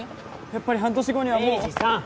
やっぱり半年後にはもう栄治さんっ